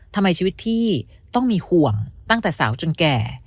ทำไมชีวิตพี่ต้องมีห่วงตั้งแต่สาวจนแก่